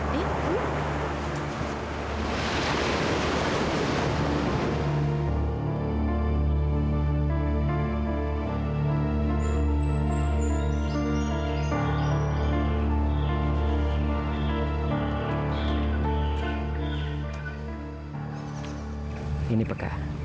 tidak usah hanya sebentar